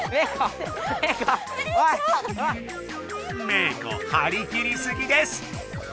メー子はりきりすぎです！